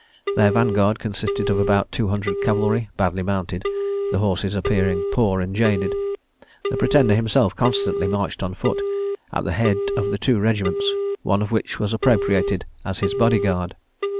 Their van guard consisted of about two hundred cavalry, badly mounted, the horses appearing poor and jaded. The Pretender himself constantly marched on foot, at the head of two regiments, one of which was appropriated as his body guard.